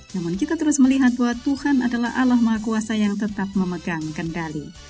namun kita terus melihat bahwa tuhan adalah allah maha kuasa yang tetap memegang kendali